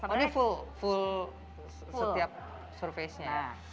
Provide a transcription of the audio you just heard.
oh ini full full setiap surface nya ya